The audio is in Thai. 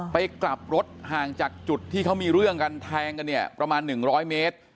ไปกลับรถห่างจากจุดที่เขามีเรื่องกันแทงกันเนี่ยประมาณ๑๐๐เมตร